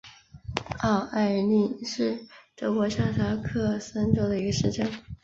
奥埃岑是德国下萨克森州的一个市镇。